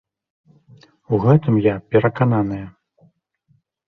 У гэтым я перакананая.